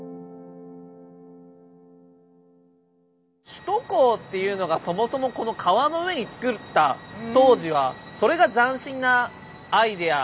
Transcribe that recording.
首都高っていうのがそもそもこの川の上につくった当時はそれが斬新なアイデア